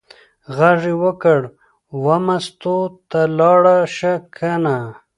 غږ یې وکړ: وه مستو ته لاړه شه کنه.